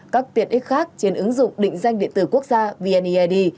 các tiện ích khác trên ứng dụng định danh điện tử quốc gia vneid